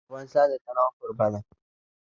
افغانستان د تنوع کوربه دی.